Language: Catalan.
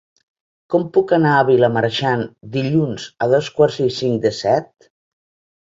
Com puc anar a Vilamarxant dilluns a dos quarts i cinc de set?